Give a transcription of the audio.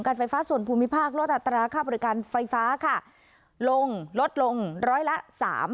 ไฟฟ้าส่วนภูมิภาคลดอัตราค่าบริการไฟฟ้าค่ะลงลดลงร้อยละสาม